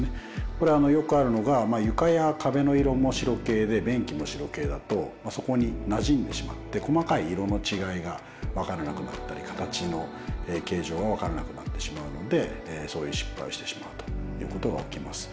これよくあるのが床や壁の色も白系で便器も白系だとそこになじんでしまって細かい色の違いが分からなくなったり形の形状が分からなくなってしまうのでそういう失敗をしてしまうということが起きます。